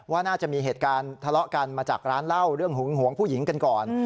ว่าน่าจะมีเหตุการณ์ทะเลาะกันมาจากร้านเหล้าเรื่องหึงหวงผู้หญิงกันก่อน